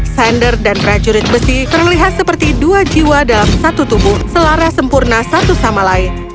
sander dan prajurit besi terlihat seperti dua jiwa dalam satu tubuh selara sempurna satu sama lain